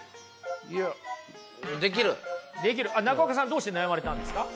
中岡さんどうして悩まれたんですか？